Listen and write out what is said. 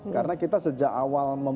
karena kita sejak awal